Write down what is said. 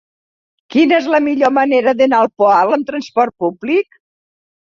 Quina és la millor manera d'anar al Poal amb trasport públic?